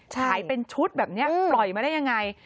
ขายเป็นชุดแบบนี้ปล่อยมาได้ยังไง